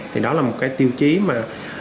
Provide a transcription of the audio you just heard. thì đó là một cái tiêu chí mà